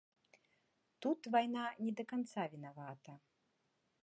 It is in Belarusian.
Тут вайна не да канца вінавата.